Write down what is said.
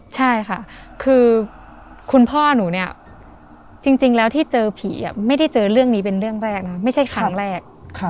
ใช่ค่ะคือคุณพ่อหนูเนี่ยจริงแล้วที่เจอผีไม่ได้เจอเรื่องนี้เป็นเรื่องแรกนะไม่ใช่ครั้งแรก